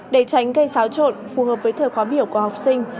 để tránh gây xáo trộn phù hợp với thời khóa biểu của học sinh